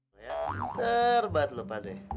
terbat lo pak de